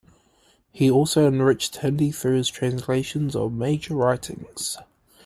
He also enriched Hindi through his translations of major writings.